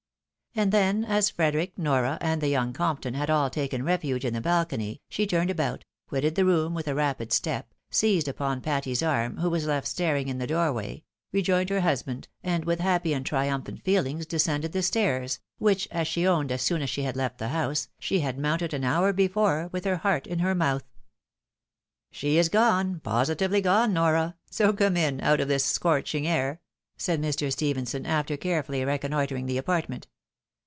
" And then, as Frederic, Nora, and the young Compton had all taken refuge in the balcony, she turned about, quitted the room with a rapid step, seized upon Patty's arm, who was left staring in the doorway, rejoined her husband, and with happy and triimiphant feelings descended the stairs, which, as she owned as soon as she had left the hoi:ise, she had mounted an. hour be fore with her heart in her mouth. " She is gone, positively gone, Nora !— so come in, out of this scorching air !" said M". Stephenson, after carefully recon noitring the apartment.